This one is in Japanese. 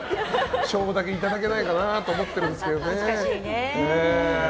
賞だけいただけないかなと思ってるんですけどね。